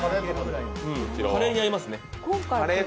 カレーに合いますね。